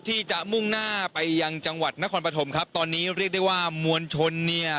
ที่จะมุ่งหน้าไปยังจังหวัดนครปฐมครับตอนนี้เรียกได้ว่ามวลชนเนี่ย